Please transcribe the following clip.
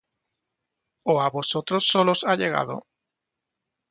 ¿ó á vosotros solos ha llegado?